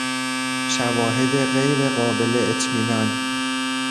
شواهد غیر قابل اطمینان